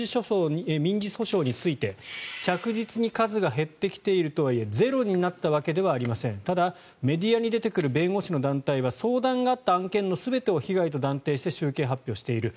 民事訴訟について着実に数が減ってきているとはいえゼロになったわけではありませんただ、メディアに出てくる弁護士の団体は相談があった案件の全てを被害と断定して集計発表している。